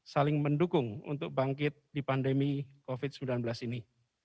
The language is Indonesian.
saling mendukung untuk bangkit di pandemi covid sembilan belas ini